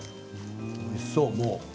おいしそう、もう。